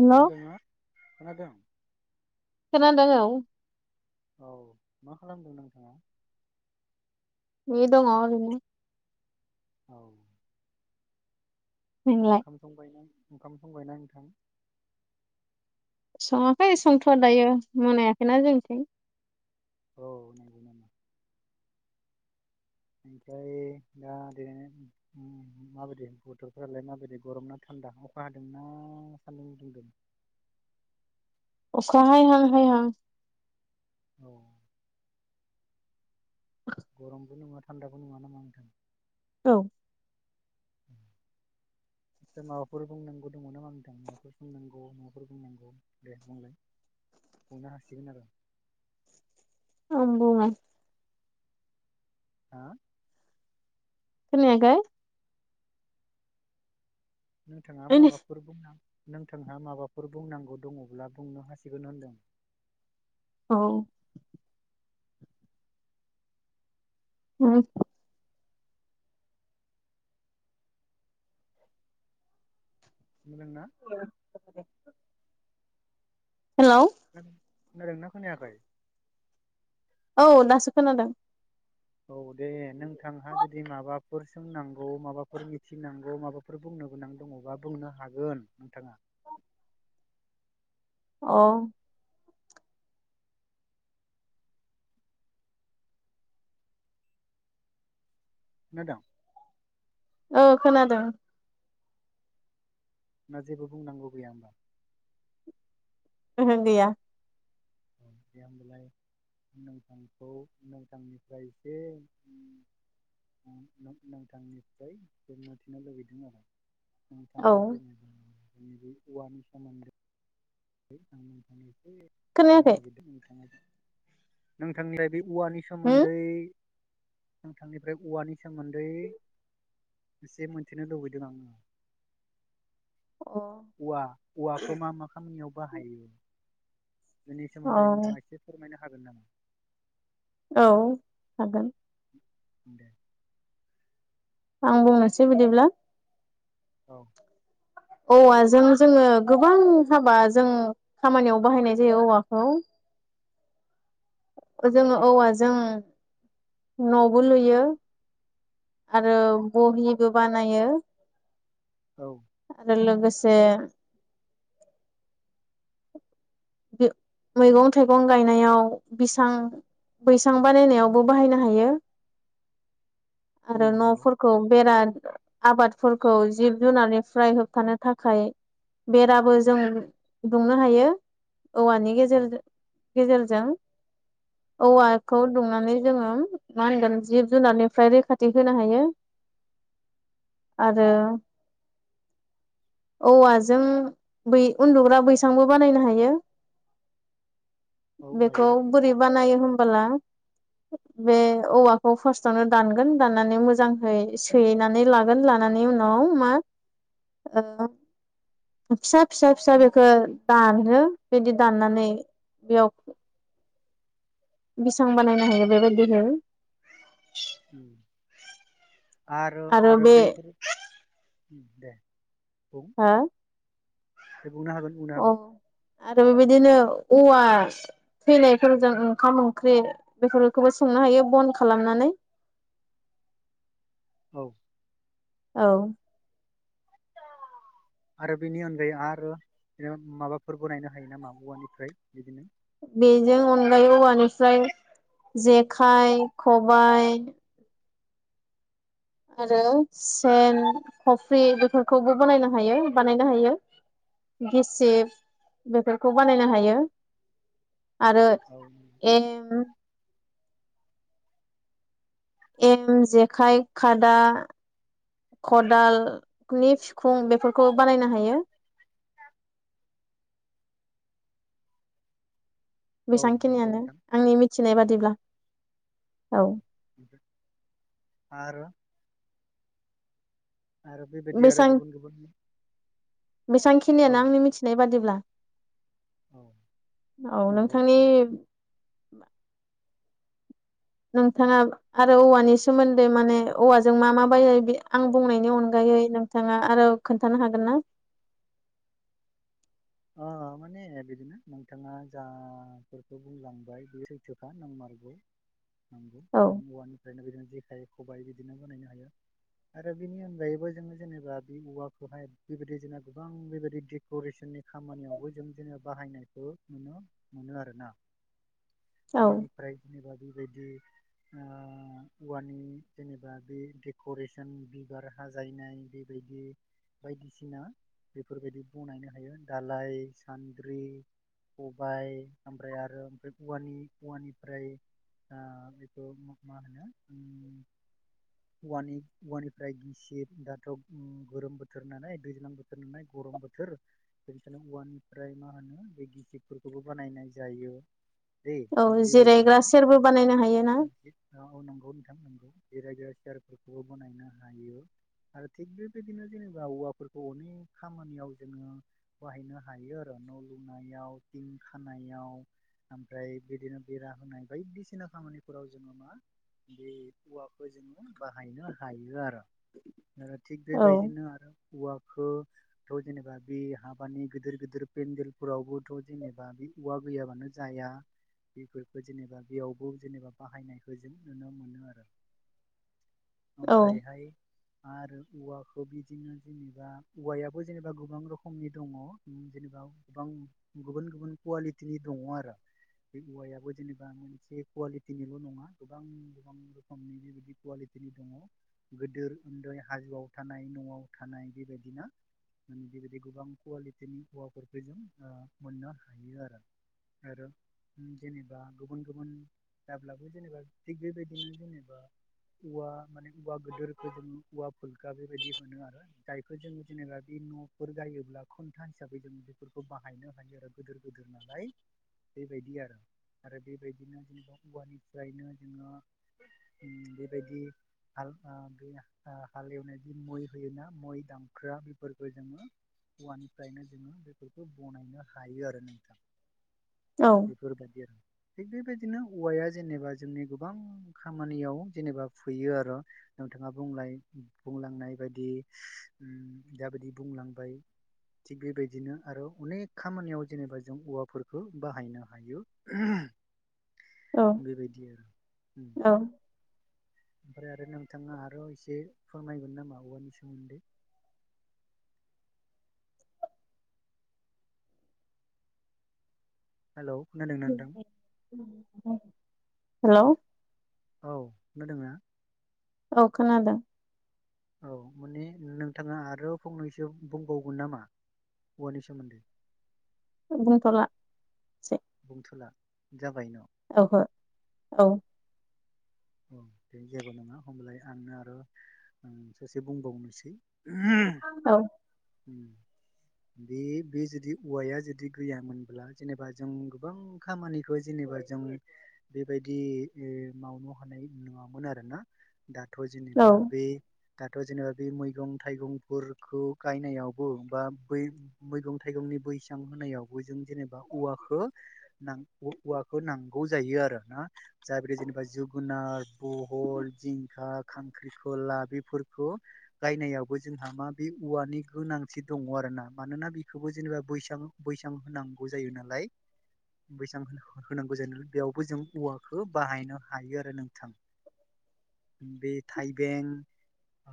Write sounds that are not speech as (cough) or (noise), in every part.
हेल' खोनादोंं खोनादों औ औ मा खालामदों नोंथाङा? नै दङ'ओरैनो औ नोंलाय ओंखाम ओंखाम संबायना नोंथां सङाखै संथ'वा दायो मोनायाखैना जोंथिं औ नंगौ। ओमफ्राय दा माबायदि बोथोरफोरालाय माबायदि गरमना थान्दा दा अखा हादोंना सान्दुं दुंदों अखा हायहां हायहां औ गरमबो नङा थान्दाबो नङा नामा नोंथां औ (inaudible) जों माबाफोर बुंनांगौ दङ नामा होनदों माबाफोर बुंनांगौ माबाफोर बुंनांगौ दे बुंलाय (inaudible) नंगौ (inaudible) खोनायाखै (inaudible) नोंथांहा माबाफोर बुंनांगौ दङब्ला बुंनो हासिगोन होनदों औ (inaudible) (inaudible) हेलौ खोनादोंना खोनायाखै औ दासो खोनादों औ दे नोंथांहा जुदि माबाफोर सोंनांगौ माबाफोर मिथिनांगौ माबाफोर बुं गोनां दङबा बुंनो हागोन नोंथां अ (inaudible) औ खोनादों ना जेबो बुंनांगौ गैया होमबा ओहो गैया (inaudible) नोंथांखौ नोंथांनिफ्राय एसे नोंथांनिफ्राय मोनथिनो लुबैदों आरो औ नोंथाङा औवानि सोमोन्दै (inaudible) बे खोनायाखै औवानि अ सोमोन्दै नोंथांनिफ्राय औवानि सोमोन्दै एसे मोन्थिनो लुबैदों आङो अ औवा औवाखौ मा मा खामानियाव बाहायो बेनि सोमोन्दै नोंथाङा एसे फोरमायनो हागोन नामा औ हागोन (inaudible) आं बुंनोसै बिदिब्ला औ औवाजों जोङो गोबां हाबा जों खामानियाव बाहायनाय जायो औवाखौ जोङो औवाजों नबो लुयो आरो बहिबो बानायो औ आरो लोगोसे मै मैगं थाइगं गायनायाव बिसां बैसां बानायनायावबो बाहायनो हायो (inaudible) आरो उम नंगौ नफोरखौ बेरा आबादफोरखौ जिब जुनारनिफ्राय होबथानो थाखाय बेराबो जों दुंनो हायो औवानि औ गेजेर गेजेरजों औ औवाखौ दुंनानै जोङो मा होनगोन जिब जुनारनिफ्राय रैखाथि होनो हायो आरो औवाजों बै उन्दुग्रा बैसांबो बानायनो हायो औ बेखौ हायो बोरै बानायो होमबोला? बे औवाखौ फार्स्टआवनो दानगोन दाननानै मोजांहै सोहैनानै लागोन लानानै नायनि‌ उनाव मा ओ फिसा फिसा फिसा बेखो दानो बिदि दाननानै बेयाव बेसां बानायनो हायो बेबायदिनो? आरो आरो बेफोर दे बुं हा? दे बुंनो हागोन बुंनो हागोन अह आरो बेबायदिनो औवा थैनायफोरजों ओंखाम ओंख्रि बेफोरखौबो संनो हायो बन खालामनानै (inaudible) (inaudible) औ (unintelligible) आरो बेनि अनगायै आरो बि माबाफोरबो नायनो हायो नामा औवानिफ्राय बिदिनो बेजों अनगायै औवानिफ्राय जेखाइ खबाय आरो सेन खफ्रि बेफोरखौबो बनायनो हायो बानायनो हायो। गिसिब बेफोरखौ बानायनो हायो। आरो औ एम एम जेखाइ खादा खदालनि फिखुं बेफोरखौ बानायनो हायो। औ नंगौ बेसांखिनियानो नोंथां आंनि मिथिनाय औ बादिब्ला। औ आरो आरो बेबायदि आरो गुबुन गुबुन औ बेसांखिनियानो आंनि मिथिनाय बादिब्ला। औ औ नंगौ नोंथांनि नों नोंथाङा आरो औवानि सोमोन्दै माने औवाजों मा मा बायो आं बुंनायनि अनगायै यै नोंथाङा आरो खोन्थानो हागोन ना? (inaudible) अ माने बिदिनो नोंथाङा जाफोरखौ बुंलांबाय बे सैथोखा नांमारगौ नंगौ औ जों औवानिफ्रायनो बिदिनो जेखाइ खबाइ बिदिनो बानायनो हायो। आरो बेनि अनगायैबो जोङो जेनेबा बे औवाखौहाय बेबायदि जोंना गोबां बेबायदि देकरेसननि खामानियावबो जों बिदिनो बाहायनायखौ नुनो मोनो आरोना। औ औवानि फ्राय जा बेबायदि ओ औवानि जेनेबा बे देकरेसन बिबार हाजायनाय बेबायदि बायदिसिना बेफोरबायदि बनायनो हायो दालाय सान्द्रि खबाइ ओमफ्राय आरो ओमफ्राय औवानि औवानिफ्राय आ बेखौ मा मा होनो उम औवानि औवानिफ्राय गिसिब दाथ गोरोम बोथोर होननानै दैज्लां बोथोर होननानै गरम बोथोर बेनिखायलोम औवानिफ्राय मा होनो बे गिसिबफोरखौबो बानायनाय जायो। दे औ बेबायदि जिरायग्रा आरोना सेरबो बानायनो हायोना औ नंगौ नोंथां नंगौ। गिरायजा सियारफोरखौ बानायनो हायो। आरो थिग बेबायदिनो जेनेबा औवाफोरखौ अनेक खामानियाव जोङो बाहायनो हायो आरो न लुनायाव थिं खानायाव ओमफ्राय बिदिनो बेरा होनाय बायदिसिना खामानिफोराव जोङो मा बे औवाखौ जोङो बाहायनो हायो आरो आरो थिग औ बेबायदिनो आरो औवाखौथ जेनेबा बे हाब बानि गोदोर गोदोर पेेनदेलफोरावबोथ' जेनेबा बे औवा गैयाबानो जाया। बेफोरखौ जेनेबा बेयावबो जेनेबा बाहायनायखौ जों नुनो मोनो आरो। औ ओमफ्रायहाय आरो औवाखौ बिदिनो जेनेबा औवायाबो जेनेबा गोबां रोखोमनि दङ उम जेनेबा गोबां गुबुन गुबुन कुवालिटिनि दङ आरो। बे औवायाबो जेनेबा मोनसे कुवालिटिनिल' नङा गोबां गोबां रोखोमनि बेबायदि कुवालि टि नि दङ गोदोर उन्दै हाजोआव थानाय न'आव थानाय बेबायदिना। माने बेबायदि गोबां कुवालिटिनि औवाफोरखौ जों ओ मोननो हायो आरो। आरो उम जेनेबा गुबुन गुबुन जाब्लाबो जेनेबा थिग बेबायदिनो जेनेबा औवा माने औवा गोदोरखौ जोङो औवा फुलखा बेबायदि होनो आरो जायखौ जों जेनेबा बे न'फोर गायोब्ला खुनथा हिसाबै जों बेफोरखौ बाहायनो हायो आरो गोदोर गोदोर नालाय बेबायदि आरो। आरो बेबायदिनो जेनेबा औवानिफ्रायनो जोङो उम बेबायदि हाल आ बे ओ हालेवनायनि मै होयोना मै दांखोआ बेफोरखो जोङो औवानिफ्रायनो जोङो बेफोरखो बनायनो हायो आरो नोंथां। औ बेफोरबादि आरो। थिग बेबायदिनो औवाया जेनेबा जोंनि गोबां खामानियाव जेनेबा फैयो आरो। नोंथाङा बुंलाय बुंलांनाय बायदि ओम जाबायदि बुंलांबाय (inaudible) थिग बेबायदिनो आरो अनेख खामानियाव जेनेबा जों औवाफोरखो बाहायनो हायो। औ बेबायदि आरो उम। औ ओमफ्राय आरो नोंथाङा आरो एसे फोरमायगोन नामा औवानि सोमोन्दै? हेलौ खोनादोंना नोंथां (inaudible) हेलौ औ खोनादोंना? औ खोनादों। औ मानि नोंथाङा आरो फंनैसो बुंबावगोन नामा? औवानि सोमोन्दै? आं बुंथ'ला। बुंथ'ला जाबाय न। औहो औ। अ दे जेबो नङा होमलाय आंनो आरो ओ ससे बुंबावनोसै। औ उम बे बे जुदि औवाया जुदि गैयामोनब्ला जेनेबा जों गोबां खामानिखौ जेने बा जों बेबायदि ओ मावन' हानाय नङामोन आरोना दाथ' औ जेनेबा बे दाथ' जेनेबा बे मैगं थाइगंफोरखौ गायनायावबो बा बै मैगं थाइगंनि बैसां होनायावबो जों जेनेबा औवाखौ नांग औवाखौ नांगौ जायो आरो। (unintelligible) जेनेबा जुग जोगुनार, बहल, जिंखा, खांख्रिखला बेफोरखौ गायनायावबो जों जोंहा मा बे औवानि गोनांथि दङ आरोना मानोना बेखौबो जेनेबा बैसां बैसां होनांगौ जा जायो नालाय बैसां होनांगौ जायो नालाय बेयावबो जों औवाखौ बाहायनो हायो आरो नोंथां। बे थाइबें आ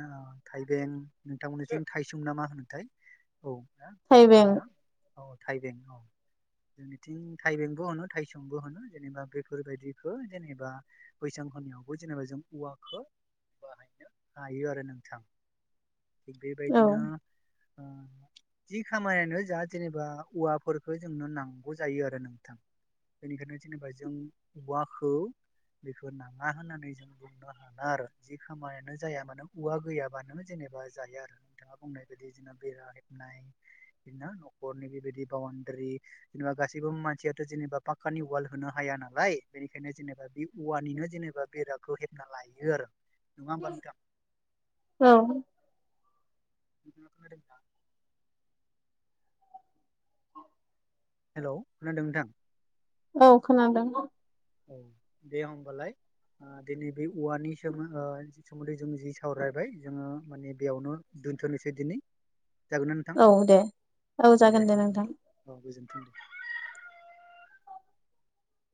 आ थाइबें नोंथांमोननिथिं थाइसुम ना मा होनोथाय? औ ना थाइबें ना? औ थाइबें औ। जोंनिथिं थाइबेंबो होनो थाइसुमबो होनो जेनेबा बेफोरबायदि खो जेनेबा बैसां होनायावबो जेनेबा जों औवाखो बा हायो आरो नोंथां थिग बेबायदिनो ओ जि खामानियानो जा जेनेबा औवाफोरखौ जोंनो नांगौ जायो आरो नोंथां बेनिखायनो जेनेबा जों औवाखौ बेखौ नाङा होननानै जों बुंनो हाना आरो जि खामानियानो जाया मानो औवा गैयाबानो जेने बा जाया आरो नोंथाङा बुंनाय बायदि बि बेरा हेबनाय बिदिनो न'खरनि बेबायदि बावन डारि बिदिनो गासैबो मानसियाथ' जेनेबा पाक्कानि वाल होनो हाया नालाय। बेनिखायनो जेनेबा बे औवानिनो जेनेबा बेरादखौ हेबना लायो आरो। नङा होमबा नोंथां औ (unintelligible) हेल' खोनादों नोंथां? औ खोनादों। औ दे होमबालाय। ओ दिनै बे औवानि सोम सोमोन्दै जों जि सावरायबाय जोङो माने बेयावनो दोन्थ'नोसै दिनै। जागोन ना नोंथां? औ दे औ जागोन दे दोन नोंथां अ गोजोनथों दे।